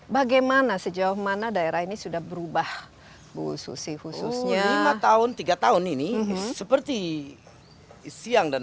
bagaimana sejauh mana daerah ini sudah berubah bu susi khususnya lima tahun tiga tahun ini seperti siang dan